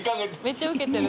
めっちゃウケてる。